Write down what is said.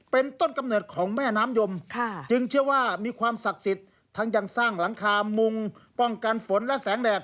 เป็นต้นกำเนิดของแม่น้ำยมจึงเชื่อว่ามีความศักดิ์สิทธิ์ทั้งยังสร้างหลังคามุงป้องกันฝนและแสงแดด